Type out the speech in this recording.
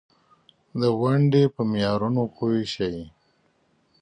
الوچه د معدې درد ختموي.